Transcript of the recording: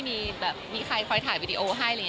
มีแบบมีใครคอยถ่ายวิดีโอให้